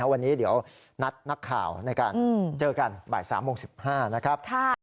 วันนี้เดี๋ยวนัดนักข่าวในการเจอกันบ่าย๓โมง๑๕นะครับ